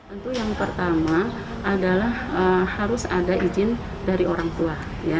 untuk yang pertama adalah harus ada izin dari orang tua